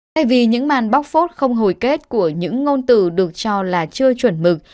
tại vì những màn bóc phốt không hồi kết của những ngôn từ được cho là chưa chuẩn mực